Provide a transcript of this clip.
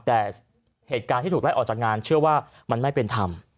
แต่เหตุการณ์ที่ถูกไล่ออกจากงานเชื่อว่ามันไม่เป็นธรรม